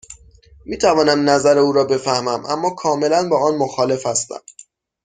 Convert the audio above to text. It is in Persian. می توانم نظر او را بفهمم، اما کاملا با آن مخالف هستم.